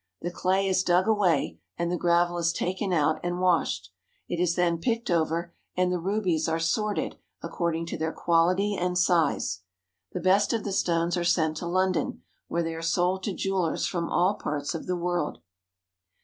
The clay is dug away, and the gravel is taken out and washed. It is then picked over, and the rubies are sorted according to their quaUty and size. The best of the stones are sent to London, where they are sold to jewelers from all parts of the world.